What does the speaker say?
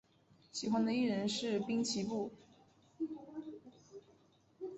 喜欢的艺人是滨崎步。